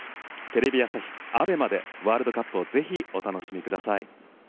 テレビ朝日、ＡＢＥＭＡでワールドカップをぜひお楽しみください！